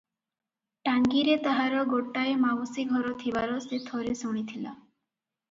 ଟାଙ୍ଗୀରେ ତାହାର ଗୋଟାଏ ମାଉସୀ ଘର ଥିବାର ସେ ଥରେ ଶୁଣିଥିଲା ।